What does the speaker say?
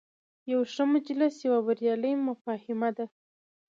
یو ښه مجلس یوه بریالۍ مفاهمه ده.